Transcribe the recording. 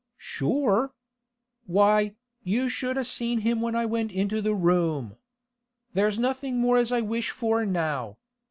'Sure? Why, you should a' seen him when I went into the room! There's nothing more as I wish for now.